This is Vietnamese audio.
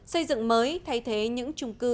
xây dựng mới thay thế những trung cư